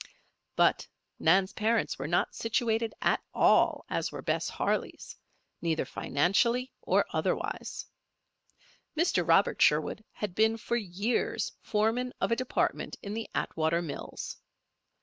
But Nan's parents were not situated at all as were Bess Harley's neither financially or otherwise. Mr. Robert Sherwood had been, for years, foreman of a department in the Atwater Mills.